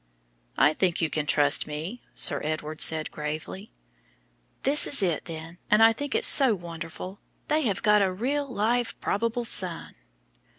"I think you can trust me," Sir Edward said gravely. "This is it, then, and I think it's so wonderful. They have got a real live probable son."